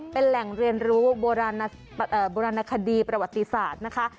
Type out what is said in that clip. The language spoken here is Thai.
เป็นแหล่งเรียนรู้โบราณคดีประวัติศาสตร์นะคะ